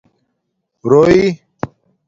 رݸئ